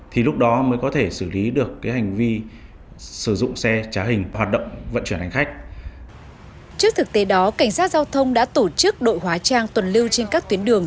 trước thực tế đó cảnh sát giao thông đã tổ chức đội hóa trang tuần lưu trên các tuyến đường